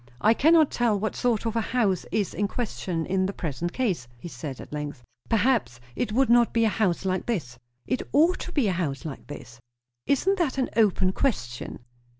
"I cannot tell what sort of a house is in question in the present case," he said at length. "Perhaps it would not be a house like this." "It ought to be a house like this." "Isn't that an open question?"